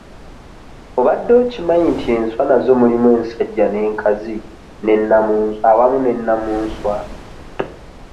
Obadde okimanyi nti enswa nazo mulimu ensajja n'enkazi awamu ne nnamunswa?